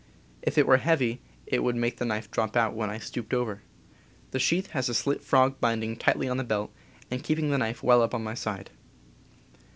If it were heavy it would make the knife drop out when I stooped over. The sheath has a slit frog binding tightly on the belt, and keeping the knife well up on my side.